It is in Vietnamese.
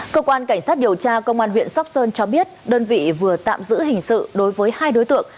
cơ quan cảnh sát điều tra công an huyện sóc sơn cho biết đơn vị vừa tạm giữ hình sự đối với hai đối tượng